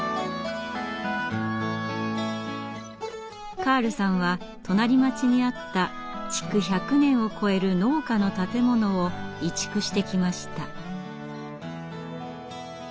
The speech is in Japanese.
カールさんは隣町にあった築１００年を超える農家の建物を移築してきました。